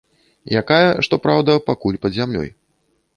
Якая, што праўда, пакуль пад зямлёй.